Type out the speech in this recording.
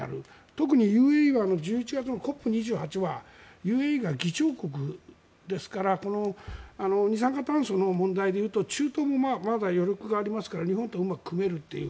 特に、ＵＡＥは１１月のＣＯＰ２８はＵＡＥが議長国ですから二酸化炭素の問題でいうと中東もまだ余力がありますから日本とうまく組めるという。